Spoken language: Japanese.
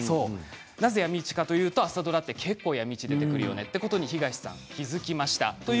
なぜ闇市かというと朝ドラって結構闇市が出てくるよねと東さん、気付きました。